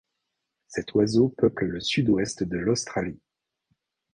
Cet oiseau peuple le sud-ouest de l'Australie.